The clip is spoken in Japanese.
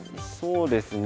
そうですねはい。